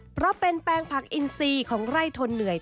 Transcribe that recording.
เพราะเป็นแปลงผักอินซีของไร่ทนเหนื่อย